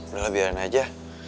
udah lah biarin aja